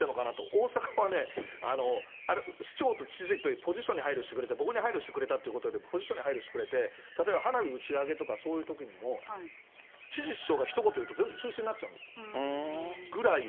大阪はね、あれ、市長と知事って、ポジションに配慮してくれて、僕に配慮してくれたっていうことで、ポジションに配慮してくれて、例えば花火打ち上げとかそういうときにも、知事、市長がひと言言うと全部中止になっちゃうんです。